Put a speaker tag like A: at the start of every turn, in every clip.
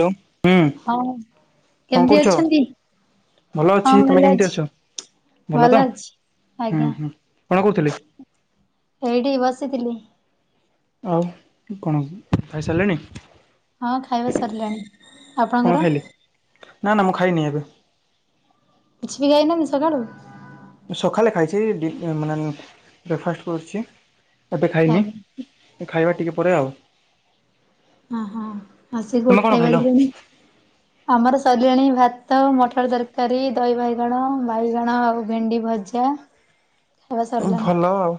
A: Hello ହୁଁ
B: ହଁ
A: କଣ
B: କେମିତି
A: କରୁଛ
B: ଅଛନ୍ତି?
A: ଭଲ
B: ହଁ
A: ଅଛି ତମେ କେମିତି
B: ଅଛି
A: ଅଛ। ଭଲ ତ ହୁଁ
B: ଆଜ୍ଞା
A: ହୁଁ କଣ କହୁଥିଲେ।
B: ଏଇଠି ବସିଥିଲି।
A: ଆଉ କଣ୍ ଖାଇସାରିଲେଣି।
B: ହଁ ଖାଇବା ସାରିଲାଣି
A: କଣ
B: ଆପଣଙ୍କର?
A: ଖାଇଲେ? ନା ନା ମୁଁ ଖାଇନି ଏବେ
B: କିଛି ବି ଖାଇବନାନ୍ତି ସକାଳୁ।
A: ସକାଳେ ଖାଇଛି ମାନେ ବ୍ରେକ୍ଫାଷ୍ଟ କରୁଛି ଏବେ ଖାଇନି।
B: ଆଜ୍ଞା
A: ଖାଇବା ଟିକିଏ ପରେ ଆଉ।
B: ହଁ ହଁ ଆସିକି
A: ତୁମେ କଣ ଖାଇଲ?
B: ଗୋଟବାଜିଲେଣି। ଆମର ସରିଲାଣି ଭାତ ମଟର ତରକାରୀ ଦହି ବାଇଗଣ ବାଇଗଣ ଆଉ ଭେଣ୍ଡି ଭଜା। ଖାଇବା ସରିଲାଣି
A: ଭଲ ଆଉ।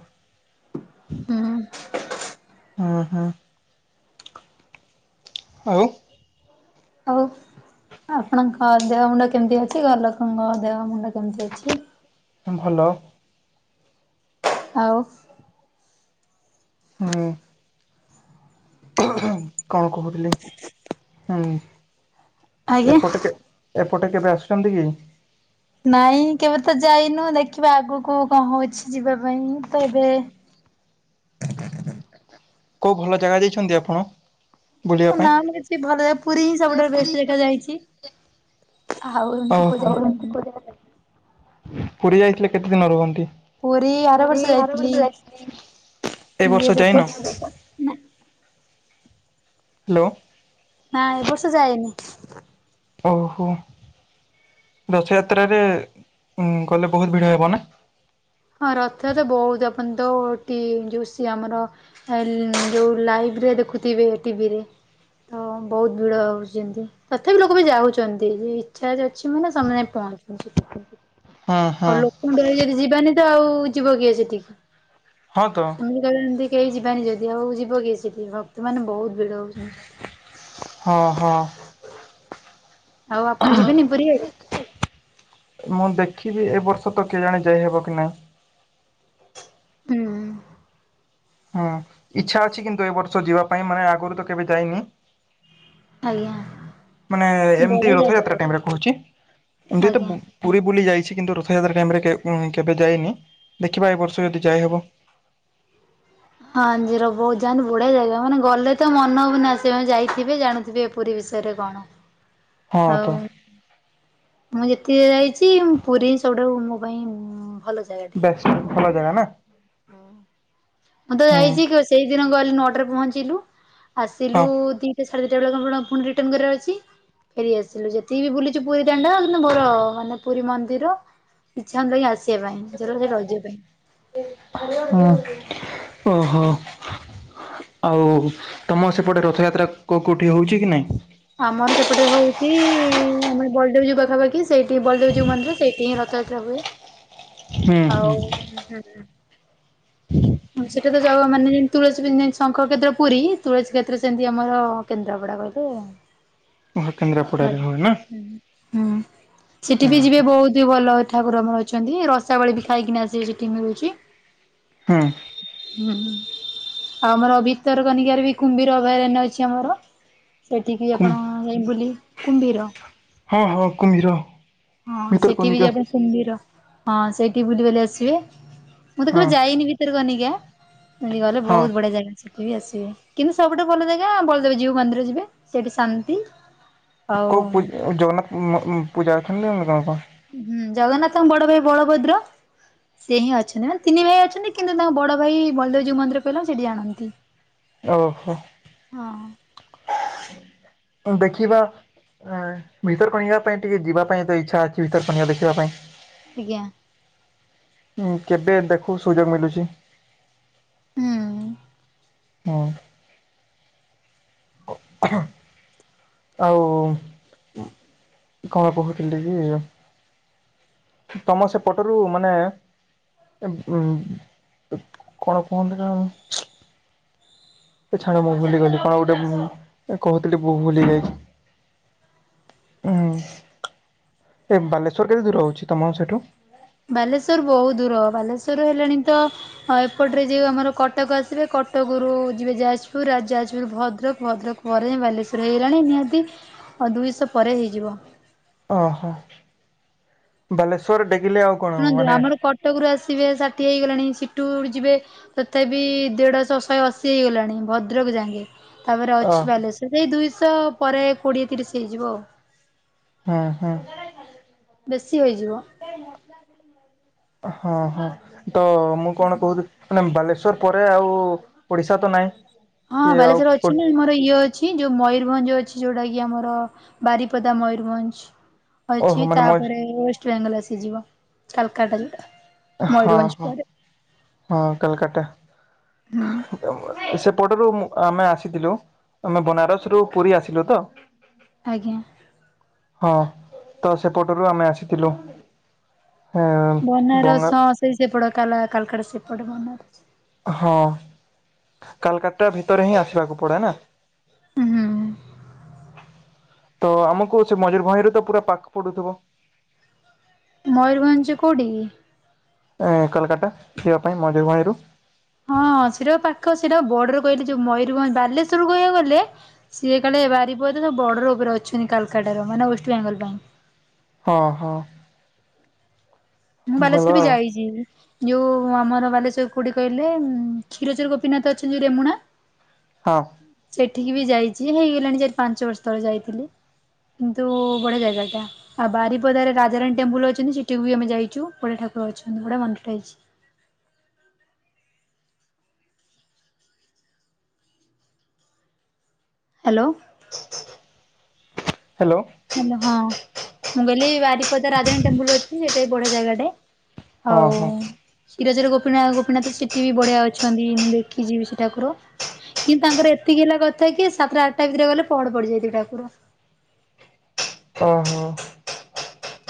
B: ହୁଁ
A: ହଁ ହଁ। ଆଉ
B: ଆଉ ଆପଣଙ୍କ ଦେହ ମୁଣ୍ଡ କେମିତି ଅଛି ଘର ଲୋକଙ୍କ ଦେହ ମୁଣ୍ଡ କେମିତି ଅଛି।
A: ଭଲ।
B: ଆଉ
A: ହୁଁ। କଣ୍ କହୁଥିଲି ହୁଁ
B: ଆଜ୍ଞା
A: ଏପଟ କେ ଏପଟେ କେବେ ଆସୁଛନ୍ତି କି?
B: ନାଇଁ କେବେ ତ ଯାଇନୁ ଦେଖିବା ଆଗକୁ କଣ୍ ହଉଛି ଯିବା ପାଇଁ ତ ଏବେ
A: କୋଉ ଭଲ ଜାଗା ଜାଇଛନ୍ତି ଆପଣ? ବୁଲିବା ପାଇଁ?
B: ନାଁ କିଛି ଭଲ ଜାଗା ଯାଇ ନିପୁରୀ ହିଁ ସବୁଠାରୁ ବଷ୍ଟ ଯାଗା ଯାଇଛି। ଆଉ ଏମିତି କୋଉ
A: ଓହୋ
B: ଜାଗା ଯାଇନି।
A: ପୁରୀ ଯାଇଥିଲେ କେତେ ଦିନ ରୁହନ୍ତି?
B: ପୁରୀ ଆର ବର୍ଷ ଯାଇଥିଲି
A: ଏ
B: ଦିଇ
A: ବର୍ଷ
B: ହଜାର
A: ଯାଇନ?
B: ପଚି [inaudible]
A: ହ୍ୟାଲୋ
B: ନାଁ ଏବର୍ଷ ଯାଏନି।
A: ଓହୋ ରଥଯାତ୍ରାରେ ଗଲେ ବହୁତ ଭିଡ଼ ହେବ ନା।
B: ହଁ ରଥରେ ବହୁତ ଆପଣ ତ ଟି ଯୋଉ ସି ଆମର ହେ ଯୋଉ ଲାଇଭରେ ଦେଖୁଥିବେ ଓଟିଭି ରେ। ହଁ ବହୁତ ଭିଡ଼ ହେଉଛି ଯେମିତି। ତଥାପି ଲୋକ ବି ଯାଉଛନ୍ତି ଇଚ୍ଛା ଅଛି ମାନେ ସେମାନେ ପହଞ୍ଚୁଛନ୍ତି।
A: ହଁ ହଁ
B: କୁଣ୍ଡରେ ଯଦି ଯିବାନି ତ ଆଉ ଯିବ କିଏ ସେଠିକି।
A: ହଁ ତ
B: ମୁଁ କହିଲି ଜଦି ଏମତି କେହି ଯିବାନି ଯଦି ଆଉ ଯିବ କିଏ ସେଠି ଭକ୍ତ ମାନେ ବହୁତ ଭିଡ ହଉଛନ୍ତି।
A: ହଁ ହଁ
B: ଆଉ ଆପଣ ଯିବେନି ପୁରୀ ଆଡେ?
A: ମୁଁ ଦେଖିବି ଏ ବର୍ଷ ତ କେଜାଣି ଯାଇ ହବ କି ନାଇ।
B: ହୁଁ
A: ହୁଁ ଇଚ୍ଛା ଅଛି କିନ୍ତୁ ଏ ବର୍ଷ ଯିବା ପାଇଁ ମାନେ ଆଗରୁ ତ କେବେ ଯାଇନି।
B: ଆଜ୍ଞା।
A: ମାନେ ଏମିତି
B: ବଢିଆ ଜାଗା
A: ରଥଯାତ୍ରା ଟାଇମ ରେ କହୁଛି ଏମତି ତ
B: ଆଜ୍ଞା।
A: ବ ପୁରୀ ବୁଲି ଯାଇଛି କିନ୍ତୁ ରଥଯାତ୍ରା ଟାଇମ ରେ କେ ଉଁ କେବେ ଯାଇନି ଦେଖିବା ଏ ବର୍ଷ ଯଦି ଯାଇହବ।
B: ହଁ [unintelligible] ବହୁତ ଯାହାନ୍ତି ବଢିଆ ଜାଗା ମାନେ ଗଲେ ତ ମନ ହବ ନାଁ ସେ ଯାଇଥିବେ ଜାଣୁଥିବେ। ପୁରୀ ବିଷୟରେ କଣ।
A: ହଁ
B: ଆଉ
A: ତ।
B: ମୁଁ ଯେତିକି ଯାଇଛି ପୁରୀ ସବୁଠୁ ମୋ ପାଇଁ ଭଲ ଜାଗା।
A: ଭଲ ଜାଗା ନା।
B: ହଁ। ମୁଁ ତ
A: ହୁଁ
B: ଯାଇଚି ସେଇଦିନ ଗଲି ନଅଟାରେ ପହଞ୍ଚିଲୁ ଆସିଲୁ
A: ହଁ।
B: ଦିଟା ସା ଢେ ଦିଇଟା ବେଳକୁ ଫୁଣି ରିଟର୍ଣ କରିବାର ଅଛି। ଫେରି ଆସିଲୁ ଯେତିକି ବୁଲିଚୁ ପୁରୀ ଦାଣ୍ଡ କିନ୍ତୁ ମୋର ମାନେ ପୁରୀ ମନ୍ଦିର। ଇଚ୍ଛା ହଉ ନଥିଲା କି ଆସିବା ପାଇଁ ଇଚ୍ଛା ହେଲା ସେଠି ରହିଯିବା ପାଇଁ।
A: ହୁଁ ଓହୋ।
B: ଆଜ୍ଞା
A: ଆଉ ତମ ସେପଟେ ରଥଯାତ୍ରା କେଉ କେଉଠି ହଉଛି କି ନାହିଁ।
B: ଆମର ସେପଟେ ହଉଛି ଆମର ବଳଦେବଜୀଉ ପାଖାପାଖି ସେଇଠି ବଳଦେବଜୀଉ ମନ୍ଦିର ସେଇଠି ହିଁ ରଥଯାତ୍ରା ହୁଏ।
A: ହୁଁ ହୁଁ।
B: ଆଉ ହୁଁ।
A: [inaudible]
B: ହୁଁ ସେଇଟା ତ ଜଗ ମାନେ ଯେମିତି ତୁଳସୀ [unintelligible] ଶଙ୍ଖକ୍ଷେତ୍ର ପୁରୀ ତୁଳସୀ କ୍ଷେତ୍ର ସେମିତି ଆମର କେନ୍ଦ୍ରାପଡ଼ା କହିଲେ
A: ଓହୋ କେନ୍ଦ୍ରାପଡାରେ ହୁଏ ନା
B: [inaudible] ହୁଁ
A: ହଁ
B: ସେଠି ବି ଯିବେ ବହୁତ ଭଲ ଠାକୁର ଆମର ଅଛନ୍ତି ରସାବଳି ବି ଖାଇକିନି ଆସିବେ ସେଠି ମିଳୁଛି।
A: ହୁଁ।
B: ହୁଁ ଆଉ ଆମର ଭିତର କନିକାରେ ବି କୁମ୍ଭୀର ଅଭୟାରଣ୍ୟ ଅଛି ଆମର। ସେଠିକି
A: କୁମ୍
B: ଆପଣ ଯାଇ ବୁଲି କୁମ୍ଭୀର
A: ହଁ ହଁ କୁମ୍ଭୀର
B: ହଁ ସେଠି ବି
A: ଭିତରକନିକା
B: ଯବେ କୁମ୍ଭୀର ହଁ ସେଇଠି ବୁଲିବାଲି ଆସିବେ ମୁଁ ତ
A: ହଁ
B: କେବେ ଯାଇନି କନିକା ସେଠିକି ଗଲେ
A: ହଁ
B: ବହୁତ ବଢି ଆ ଜାଗା ସେଠିବି ଆସିବେ କିନ୍ତୁ ସବୁଠୁ ଭଲ ଜାଗା ବଳଦେବଜିଉ ମନ୍ଦିର ଯିବେ। ସେଇଠି ଶାନ୍ତି। ଆଉ
A: କଉ ପ
B: ହୁଁ
A: ଜଗନ୍ନାଥ ପୂଜା ଅଛନ୍ତି [unintelligible] ଗଣ କ।
B: ହୁଁ ଜଗନ୍ନାଥଙ୍କ ବଡ ଭାଇ ବଳଭଦ୍ର। ସେ ହିଁ ଅଛନ୍ତି ମାନେ ତିନି ଭାଇ ଅଛନ୍ତି କିନ୍ତୁ ତାଙ୍କ ବଡ ଭାଇ ବଳଦେବଜୀ ମନ୍ଦିର କହିଲ ସେଠି ଆଣନ୍ତି।
A: ଓହୋ।
B: ଆଜ୍ଞା
A: ଦେଖିବା। ଆଁ ଭିତର କନିକା ପାଇଁ ଟିକେ ଯିବା ପାଇଁ ତ ଇଚ୍ଛା ଅଛି ଭିତର କନିକା ଦେଖିବା ପାଇଁ।
B: ଆଜ୍ଞା।
A: କେବେ ଦେଖୁ ସୁଯୋଗ ମିଲୁଛି।
B: ହୁଁ।
A: ହଁ। ଆଉ କଣ କହୁଥିଲି କି ତମ ସେପଟରୁ ମାନେ ଏ ଉ କଣ କୁହନ୍ତି ନା ତ ଛାଡ ମୁଁ ଭୁଲିଗଲି କଣ ଗୋଟେ ମୁଁ କହୁଥିଲି ବ ଭୁଲି ଯାଇଛି। ହୁଁ ବାଲେଶ୍ୱର କେତେ ଦୂର ରହୁଛି ତମ ସେଠୁ?
B: ବାଲେଶ୍ଵର ବହୁତ ଦୂର ବାଲେଶ୍ଵର ହେଲାଣି ତ ଆଉ ଏପଟରେ ଯେଉଁ ଆମର କଟକ ଆସିବେ କଟକରୁ ଯିବେ ଯାଜପୁର ଆ ଯାଜପୁର ଭଦ୍ରକ ଭଦ୍ରକ ପରେ ବାଲେଶ୍ୱର ହେଇଗଲାଣି ନିହାତି ଆଉ ଦୁଇଶହ ପରେ ହେଇଯିବ।
A: ଅ ହ ବାଲେଶ୍ଵର ଡେକିଲେ ଆଉ କଣ
B: ଶୁଣନ୍ତୁ
A: ମାନେ
B: ଆମର କଟକ ରୁ ଆସିବେ ଷାଠିଏ ହେଇଗଲାଣି ସିଠୁ ଯିବେ ତଥାପି ଦେଢଶ ଶହେ ଅଶୀ ହେଇଗଲାଣି ଭଦ୍ରକ ଯାକେଁ ତାପରେ
A: ଅ
B: ଅଛି ବାଲେଶ୍ୱର ସେଇ ଦୁଇଶହ ପରେ କୋଡିଏ ତିରିଶ ହେଇଯିବ ଆଉ।
A: ଉଁ ହୁଁ!
B: ବେଶୀ ହେଇଯିବ।
A: ହଁ ହଁ ତ ମୁଁ କଣ କହୁଥି ମାନେ ବାଲେଶ୍ୱର ପରେ ଆଉ ଓଡିଶା ତ ନାଇଁ?
B: ହଁ ବାଲେଶ୍ୱର ଅଛି ନା ଇଏ ଅଛି ଯୋଉ ମୟୂରଭଞ୍ଜ ଅଛି ଯୋଉଟା କି ଆମର ବାରିପଦା ମୟୂରଭଞ୍ଜ
A: ଓହୋ
B: ଅଛି
A: ମାନେ ମଝି
B: ତାପରେ ୱେଷ୍ଟ ବେଙ୍ଗଲ ଆସିଯିବ କାଲ୍କାଟାରୁ।
A: ହଁ ହଁ ହଁ କାଲ୍କାଟା!
B: ହୁଁ
A: ସେପଟରୁ ମୁଁ ଆମେ ଆସିଥିଲୁ ଆମେ ବନାରସ ରୁ ପୁରୀ ଆସିଲୁ ତ!
B: ଆଜ୍ଞା!
A: ହଁ ତ ସେପଟରୁ ଆମେ ଆସିଥିଲୁ।
B: ବନାରସ
A: ବଙ୍ଗା
B: ହଁ ସେଇ ସେପଟ କାଲା କାଲକାଟା ସେପଟ ବନାରସ।
A: ହଁ କାଲକାଟା ଭିତରେ ହିଁ ଆସିବାକୁ ପଡେ ନା!
B: ହୁଁ।
A: ତ ଆମକୁ ସେ ମଜୁରଭଞ୍ଜରେ ତ ପୁରା ପାଖ ପଡୁଥିବ?
B: ମୟୂରଭଞ୍ଜ କୋଉଠି କି?
A: ଏଁ କାଲକାଟା ଯିବାପାଇଁ ମୟୁରଭଞ୍ଜ ରୁ।
B: ହଁ ସେଟା ବା ପାଖ ସେଟା ବର୍ଡର କହିଲି ଯୋଉ ମୟୂରଭଞ୍ଜ ବାଲେଶ୍ୱରରୁ କହିବାକୁ ଗଲେ ସିଏ କାଳେ ବାରିପଦାର ବର୍ଡର ଉପରେ ଅଛନ୍ତି କାଲ୍କାଟା ର ମାନେ ୱେଷ୍ଟବେଙ୍ଗଲ ପାଇଁ।
A: ହଁ ହଁ!
B: ମୁଁ
A: ଭଲ
B: ବାଲେଶ୍ର ବି
A: ଆଉ
B: ଯାଇଛି। ଯୋଉ ଆମର ବାଲେଶ୍ୱର କୋଉଠି କହିଲେ? କ୍ଷୀରଚୋରା ଗୋପୀନାଥ ଅଛନ୍ତି ଜଉ ରେମୁଣା!
A: ହଁ!
B: ସେଠିକି ବି ଯାଇଛି ହେଇଗଲାଣି ଚାରି ପାଞ୍ଚ ବର୍ଷ ତଳେ ଯାଇଥିଲି। କିନ୍ତୁ ବଡଢିଆ ଯାଗାଟା। ଆଉ ବାରିପଦାରେ ରାଜାରାଣୀ ଟେମ୍ପଲ ଅଛନ୍ତି ସେଠିକୁ ବି ଆମେ ଯାଇଛୁ ବଢିଆ ଠାକୁର ଅଛନ୍ତି, ବଢିଆ ମନ୍ଦିର ଟେ ହେଇଛି। ହ୍ୟାଲୋ!
A: ହ୍ୟାଲୋ!
B: ହ୍ୟାଲୋ ହଁ ମୁଁ କହିଲିି ବାରିପଦା ରାଜାରାଣୀ ଟେମ୍ପୁଲ ଅଛି ସେଟା ବି ବଢିଆ ଜାଗା ଟାଏ।
A: ହଁ
B: ହଉ
A: ହଁ।
B: କ୍ଷୀରଚୋରା ଗୋପୀନା ଗୋପୀନାଥ ସେଠି ବି ବଢିଆ ଅଛନ୍ତି ମୁଁ ଦେଖି ବି ସେ ଠାକୁର। କିନ୍ତୁ ତାଙ୍କର ଏତିକି ହେଲା କଥା କି ସାତଟା ଆଠଟା ଭିତରେ ଗଲେ ପହଡ ପଡିଯାଇଥିବେ ଠାକୁର।
A: ଓ ହୋ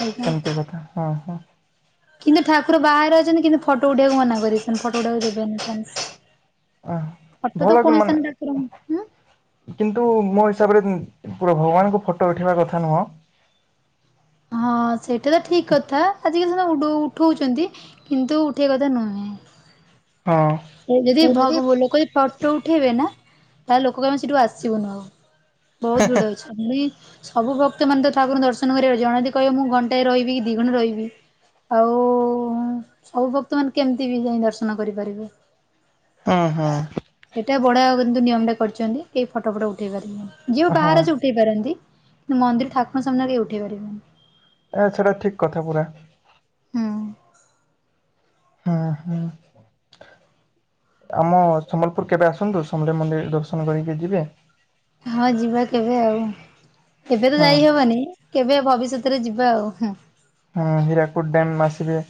B: ଆଜ୍ଞା।
A: କଥା ହଁ ହଁ।
B: କିନ୍ତୁ ଠାକୁର ବାହାରେ ଅଛନ୍ତି କିନ୍ତୁ ଫଟୋ ଉଠେବାକୁ ମନା କରିଛନ୍ତି ଫଟୋ ଉଠେଇବାକୁ ଦେବେନି ଚାନ୍ସ।
A: ଅ ଭଲ କି ମାନେ
B: [unintelligible]
A: କିନ୍ତୁ ମୋ ହିସାବରେ ମୁଁ ପୁରା ଭଗବାନଙ୍କୁ ଫଟୋ ଉଠେଇବା କଥା ନୁହଁ।
B: ହଁ ସେଇଟା ତ ଠିକ୍ କଥା ଆଜିକାଲି ସେମାନେ ଉଡ଼ ଉଠଉଛନ୍ତି କିନ୍ତୁ ଉଠେଇବା କଥା ନୁହେଁ।
A: ହଁ।
B: [unintelligible] ଯଦି ଭ ଲୋକ ଯଦି ଫଟୋ ଉଠେଇବେ ନା ତାହେଲେ ଲୋକ କହିବେ ସେଠୁ ଆସିବୁନୁ ଆଉ। ବହୁତ ଭିଡ଼ ଅଛନ୍ତି। ବି ସବୁ ଭକ୍ତ ମାନ ତ ଠାକୁରଙ୍କୁ ଦର୍ଶନ କରିବେ ଜଣେ ଯଦି କହିବ ମୁଁ ଘଣ୍ଟାଏ ରହିବି ଦି ଘଣ୍ଟା ରହିବି ଆଉ ଉଁ ସବୁ ଭକ୍ତମାନେ କେମିତି ବି ଯାଇଁ ଦର୍ଶନ କରିପାରିବେ?
A: ଅ ହଁ।
B: ସେଇଟା ବଢଆ କିନ୍ତୁ ନିୟମ ଟା କରିଛନ୍ତି କେହି ଫଟୋ ଫଟ ଉଠେଇ ପାରିବେନି। ଯିଏ ବି
A: ହଁ
B: ବାହାରେ ଅଛି ଉଠେଇ ପାରନ୍ତି। କିନ୍ତୁ ମନ୍ଦିର ଠକୁର ସାମ୍ନା ରେ କେହି ଉଠେଇ ପାରିବେନି।
A: ତା ଛଡା ଠିକ୍ କଥା ପୁରା।
B: ହୁଁ।
A: ଉଁ ହୁଁ। ଆମ ସମ୍ବଲପୁର କେବେ ଆସନ୍ତୁ ସମଲା ଇ ମନ୍ଦିର ଦର୍ଶନ କରିକି ଯିବେ।
B: ହଁ ଯିବା କେବେ ଆଉ କେବେ ତ
A: ହଁ
B: ଯାଇହବନି। କେବେ ଭବିଷ୍ୟତରେ ଯିବା ଆଉ ହୁଁ।
A: ହ ହୀରାକୁଟ ଡ୍ୟାମ ଆସିବେ।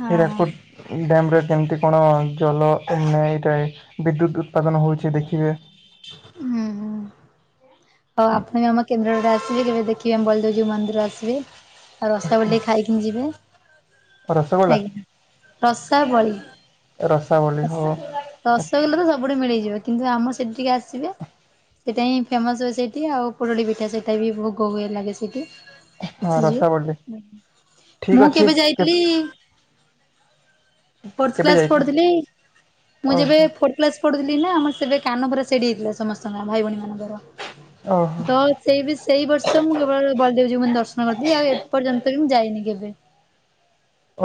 B: ହଁ
A: [unintelligible]
B: ହଁ।
A: ଡ୍ୟାମ କେମିତି କଣ ଜଲ ଏନାଇ ଏଇଟା ବିଦ୍ୟୁତ୍ ଉତ୍ପାଦନ ହେଉଛି ଦେଖିବେ।
B: ହୁଁ ହୁଁ। ହଉ ଆପଣ ବି ଆମ କେନ୍ଦ୍ର [inaudible] ଆସିବେ କେବେ ଦେଖିବେ ଆମ ବଳଦେବଜୀଉ ମନ୍ଦିର ଆସିବେ। ଆଉ ରାସାବୋଳି ଟିକେଖାଇକି ଯିବେ।
A: ରସଗୋଲା
B: ଆଜ୍ଞା ରସାବଳୀ।
A: ରସାବଳି ହଉ
B: ରସଗୋଲା ତ ସବୁଠୁ ମିଳିଯିବ କିନ୍ତୁ ଆମ ସେଠି ଟିକେ ଆସିବେ ସେଟା ହିଁ ଫେମସ୍ ସେଇଠି ଆଉ ପୁରୁଡ଼ି ପିଠା ସେଇଟା ବି ବହୁତ ଭୋଗ ହୁଏ ଲାଗେ। ସେଇଠି
A: ହଁ ରସାବଳି ଠିକ୍
B: ମୁଁ
A: ଅଛି
B: କେବେ ଯାଇଥିଲି ଫୋର
A: କେବେ
B: କ୍ଲାସ
A: ଯାଇଥିଲି
B: ପଢଥିଲି ମୁଁ ଯେବେ
A: ଓହୋ
B: ପ୍ଲସ୍ ପଢୁଥିଲି ନା ଆମର ସେବେ କାନ ପୁରା ସେଡି ହେଇଥିଲା ସମସ୍ତଙ୍କର ଭାଇ ଭଉଣୀ ମାନଙ୍କର,
A: ଓହୋ
B: ତ ସେଇ ସେଇ ବର୍ଷ ମୁଁ କେବଳ ବଳଦେବଜୀଙ୍କୁ ମେ ଦର୍ଶନ କରିଥିଲି ଆଉ ଏପର୍ଯ୍ୟନ୍ତ ବି ମୁଁ ଯାଇନି କେବେ?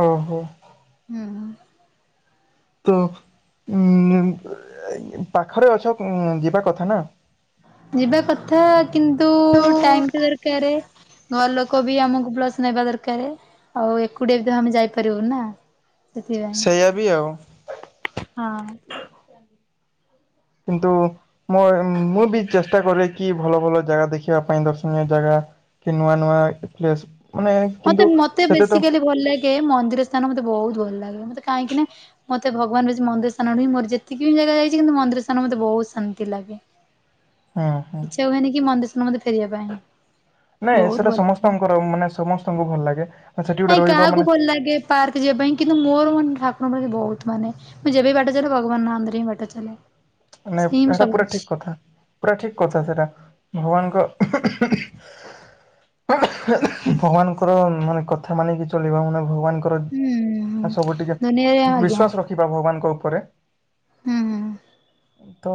A: ଓହୋ।
B: ହୁଁ।
A: ପାଖରେ ଅଛ ଯିବା କଥା ନାଁ
B: ଯିବା କଥା କିନ୍ତୁ ଟାଇମ ଦରକାର। ଘର ଲୋକ ବି ଆମକୁ ପ୍ଲସ୍ ନେବା ଦରକାର ଆଉ ଏକୁଟିଆ ବି ତ ଆମେ ଯାଇପାରିବୁ ନା। ସେଥିପାଇଁ
A: ସେଇଆ ବି ଆଉ
B: ହଁ।
A: କିନ୍ତୁ ମୁଁ ବି ଚେଷ୍ଟା କରେ କି ଭଲ ଭଲ ଜାଗା ଦେଖିବା ପାଇଁ ଦର୍ଶନୀୟ ଜାଗା। କି ନୂଆ ନୂଆ ପ୍ଲେସ୍ ମାନେ
B: ମତେ
A: କିନ୍ତୁ
B: ମତେ
A: ସେତେ ତ
B: ବେସିକାଲି ଭଲ ଲାଗେ ମନ୍ଦିର ସ୍ଥାନ ମତେ ବହୁତ ଭଲ ଲାଗେ ମତେ କାହିଁକି ନା ମତେ ଭବାନ ମନ୍ଦିର ସ୍ଥାନ ନୁହଁ ମୋର ଯେତିକି ବି ଜାଗା ଯାଇଛି ମନ୍ଦିର ସ୍ଥାନ ମତେ ମନ୍ଦିର ସ୍ଥାନ ଭଉତ ଶାନ୍ତି ଲାଗେ।
A: ହୁଁ ହୁଁ
B: ଇଛା ହୁଏନି କି ମନ୍ଦିର ସ୍ଥାନ ଫେରିବା ପାଇଁ।
A: ନାଇଁ
B: ବହୁତ
A: ସେଟା
B: ଭଲ ଲାଗେ।
A: ସମସ୍ତଙ୍କର ମାନେ ସମସ୍ତଙ୍କୁ ଭଲ ଲାଗେ। ସେଠି ଗୋଟେ
B: ନାଇଁ
A: ରହିବ ମାନେ
B: କାହାକୁ ଭଲ ଲାଗେ ପାର୍କ ଯିବା ପାଇଁ କିନ୍ତୁ ମୋର ମାନେ ଠାକୁରଙ୍କ ବହୁତ ମାନେ। ମୁଁ ଯେବେ ବି ବାଟ ଚାଲ ଭଗବାନ ନା ଧରି ହି ବାଟ ଚାଲେ।
A: ମାନେ
B: ସେ ହିଁ
A: ଏଇଟା
B: ସବୁ
A: ପୁରା
B: କିଛି
A: ଠିକ କଥା। ପୁରା ଠିକ କଥା ସେଇଟା ଭଗବାନଙ୍କ ଭଗବାନଙ୍କର ମାନେ କଥା ମାନିକି ଚଲିବା ମାନେ ଭଗବାନଙ୍କ।
B: ହୁଁ ହୁଁ
A: ସବୁ ଟିକେ
B: ଦୁନିଆରେ ଆଜ୍ଞା।
A: ବିଶ୍ଵାସ ରଖିବା ଭଗବାନଙ୍କ ଉପରେ
B: ହୁଁ ହୁଁ।
A: ତ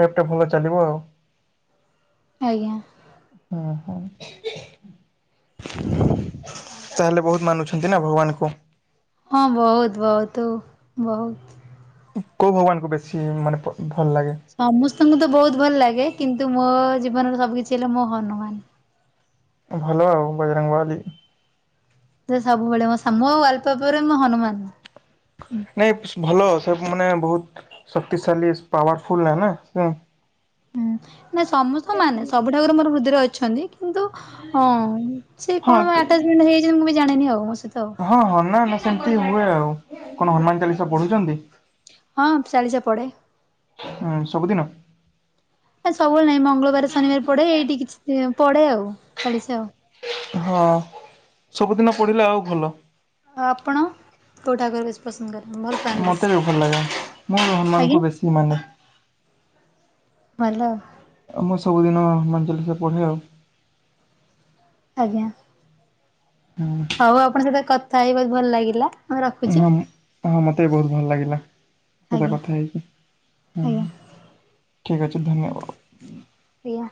A: ଲ୍ୟାପଟପ୍ ଭଲ ଚାଲିବ ଆଉ।
B: ଆଜ୍ଞା।
A: ହଁ ହଁ। ତାହେଲେ ବହୁତ ମାନୁଛନ୍ତି ନାଁ ଭଗବାନଙ୍କୁ?
B: ହଁ ବହୁତ ବହୁତ ବହୁତ।
A: କୋଉ ଭଗବାନଙ୍କୁ ବେଶୀ ମାନେ ଭ ଭଲ ଲାଗେ?
B: ସମସ୍ତଙ୍କୁ ତ ବହୁତ ଭଲ ଲାଗେ କିନ୍ତୁ ମୋ ଜୀବନର ସବୁ କିିଛି ହେଲା ମୋ ହନୁମାନ।
A: ଭଲ ଆଉ ବଜରଙ୍ଗବାଲି।
B: ସେ ସବୁବେଳେ ମୋ ସାମୁ ଅଳ୍ପ ପରେ ମୁଁ ହନୁମାନ।
A: ନାଇଁ ସ ଭଲ ସେ ମାନେ ବହୁତ ଶକ୍ତିଶାଳୀ ପାୱାର ଫୁଲ୍ ନାଁ ନାଁ।
B: ହୁଁ ନାଇଁ ସମସ୍ତଙ୍କୁ ମାନେ ସବୁ ଠାକୁରଙ୍କୁ ମୋର ହୃଦୟରେ ଅଛନ୍ତି। କିନ୍ତୁ ହଁ ସେ
A: ହଁ
B: କଣ ପାଇଁ ଆଟାଚମେଣ୍ଟ୍ ହେଇଛନ୍ତି ମୁଁ ବି ଜାଣିନି ଆଉ ସେ
A: ହଁ ହଁ ନାଁ ନାଁ ସେମିତି ହୁଏ ଆଉ କଣ ହନୁମାନ ଚାଳିଶା ପଢୁଛନ୍ତି?
B: ହଁ ଚାଳିଶା ପଢେ।
A: ହୁଁ ସବୁଦିନ?
B: ଏ ସବୁବେଳେ ନାଇଁ ମଙ୍ଗଳବାରେ ଶନିବାରେ ପଢେ ଏଇଠି କିଛି ଦିନି ହବ ପଢେ ଆଉ ଚାଳିଶା ଆଉ।
A: ହଁ ସବୁଦିନ ପଢିଲେ ଆଉ ଭଲ।
B: ଆପଣ କୋଉ ଠାକୁରକୁ ବେଶୀ ପସନ୍ଦ କରିବ?
A: ମତେ ବି ଭଲ ଲାଗେ ମୁଁ ବି
B: ଆଜ୍ଞା
A: ହନୁମାନଙ୍କୁ ବେଶୀ ମାନେ।
B: ଭଲ ଆଉ।
A: ଆଉ ମୁଁ ସବୁଦିନ ହନୁମାନ ଚାଳିଶା ପଢ଼େ ଆଉ।
B: ଆଜ୍ଞା।
A: ହୁଁ।
B: ହଉ ଆପଣଙ୍କ ସହିତ କଥା ହେଇ ବହୁତ ଭଲ ଲାଗିଲା ମୁଁ ରଖୁଛି।
A: ହୁଁ ହଁ ମତେ ବି ବହୁତ ଭଲ ଲାଗିଲା ତୋ ସହ
B: ଆଜ୍ଞା।
A: କଥା ହେଇକି
B: ଆଜ୍ଞା
A: ହୁଁ। ଠିକ୍ ଅଛି ଧନ୍ୟ ଓ
B: ସେଇଆ।